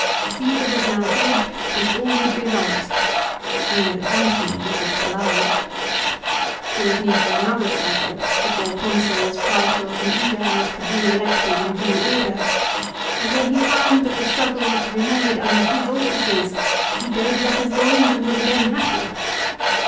Csesar was now dead and all would be right, only that Antony was left alive. There was need for another struggle before Consuls, Praetors, and ^Ediles could be elected in due order; and when he found that the struggle was to be made under his auspices, he girded up his loins and was again happy.